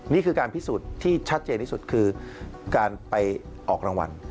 นี่คือการพิสูจน์ที่ชัดเจนที่สุดคือการไปออกรางวัล